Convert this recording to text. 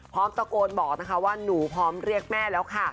พร้อมตะโกนบอกนะคะว่าหนูพร้อมเรียกแม่แล้วค่ะ